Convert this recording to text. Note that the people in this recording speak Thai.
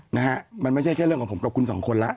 นะฮะมันไม่ใช่แค่เรื่องของผมกับคุณสองคนแล้ว